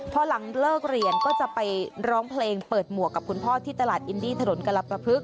พอหลังเลิกเรียนก็จะไปร้องเพลงเปิดหมวกกับคุณพ่อที่ตลาดอินดี้ถนนกรประพฤก